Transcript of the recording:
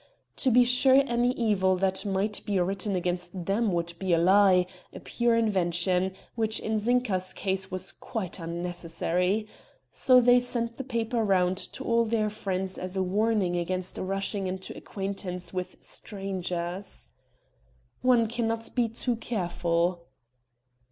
To be sure any evil that might be written against them would be a lie a pure invention which in Zinka's case was quite unnecessary ... So they sent the paper round to all their friends as a warning against rushing into acquaintance with strangers: "One cannot be too careful."